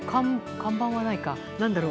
看板はないか。